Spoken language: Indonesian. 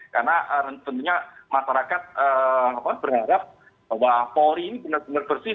karena tentunya masyarakat berharap bahwa polri ini benar benar bersih